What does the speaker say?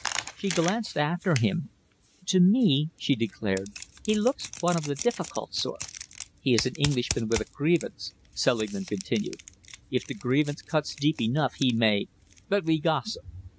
She glanced after him, "To me," she declared, "he looks one of the difficult sort." "He is an Englishman with a grievance," Selingman continued. "If the grievance cuts deep enough, he may But we gossip."